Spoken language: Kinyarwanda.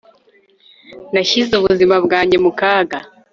Nashyize ubuzima bwanjye mu kaga